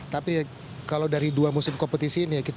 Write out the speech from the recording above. tapi kalau dari dua musim kompetisi ini